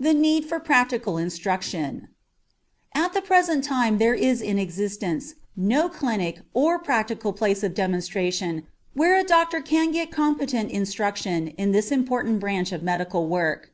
THE NEED FOR PRACTICAL INSTRUCTION At the present time there is in existence no clinic or other practical place of demonstration where a doctor can get competent instruction in this important branch of medical work.